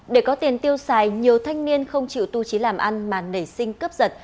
để có tiền tiêu xài nhiều thanh niên không chịu tu trí làm ăn mà nảy sinh cướp giật